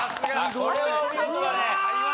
これはお見事だね。